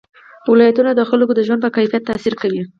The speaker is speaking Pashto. ولایتونه د خلکو د ژوند په کیفیت تاثیر کوي.